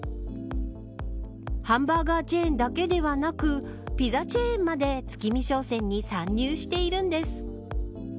ハンバーガーチェーンだけではなくピザチェーンまで月見商戦に参入しているんです。